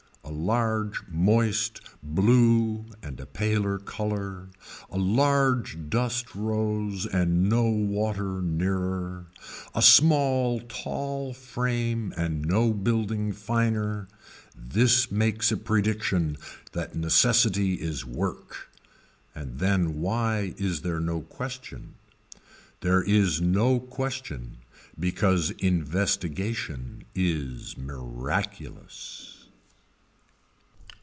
A large moist blue and a paler color, a large dust rose and no water nearer, a small tall frame and no building finer this makes a prediction that necessity is work and then why is there no question. There is no question because investigation is miraculous.